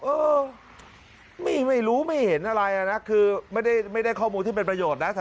เออไม่รู้ไม่เห็นอะไรนะคือไม่ได้ข้อมูลที่เป็นประโยชน์นะ